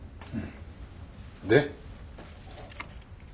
で？